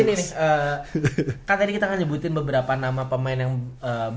tapi ini nih kan tadi kita ngejebutin beberapa nama pemain yang bakal rame